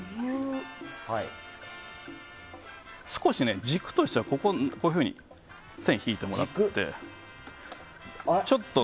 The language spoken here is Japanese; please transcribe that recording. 少し軸としては、こういうふうに線を引いてもらって。